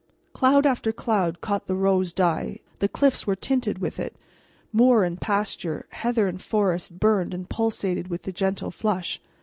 Cloud after cloud caught the rose dye; the cliffs were tinted with it; moor and pasture, heather and forest burned and pulsated with the gentle flush.